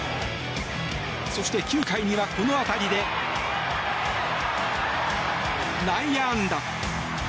そして９回にはこの当たりで内野安打。